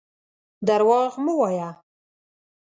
درواغ مه وايه.